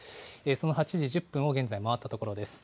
その８時１０分を現在回ったところです。